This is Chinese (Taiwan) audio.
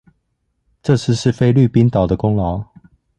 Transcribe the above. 這次是菲律賓島的功勞